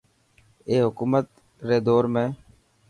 اي حڪومت ري دور ۾.